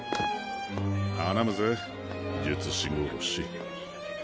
頼むぜ術師殺し。